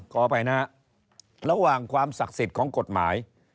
ขออภัยนะฮะระหว่างความศักดิ์สิทธิ์ของกฎหมาย